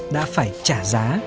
đã phải trả giá